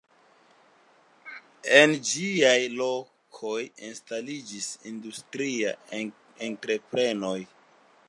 En ĝiaj lokoj instaliĝis industriaj entreprenoj.